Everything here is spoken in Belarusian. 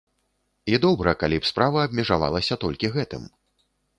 І добра, калі б справа абмежавалася толькі гэтым.